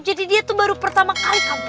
jadi dia tuh baru pertama kali nonton bioskopnya